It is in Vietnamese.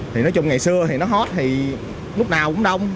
thì nói chung ngày xưa thì nó hot thì lúc nào cũng đông